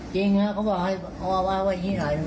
จริงเหรอเขาบอกว่าอย่างนี้หน่อย